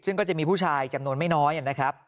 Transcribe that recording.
ซึ่งก็จะมีผู้ชายจำนวนไม่น้อยนะครับ